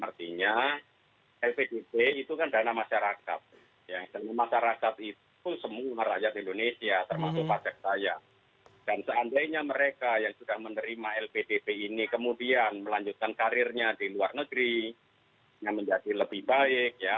artinya lpdp itu kan dana masyarakat dana masyarakat itu semua rakyat indonesia termasuk pajak saya dan seandainya mereka yang sudah menerima lpdp ini kemudian melanjutkan karirnya di luar negeri menjadi lebih baik ya